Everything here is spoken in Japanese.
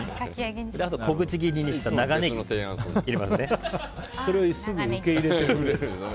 あと、小口切りにしたすぐ受け入れてくれる。